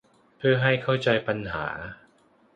เพื่อให้เข้าใจปัญหา